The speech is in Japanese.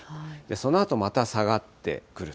そのあとまた下がってくると。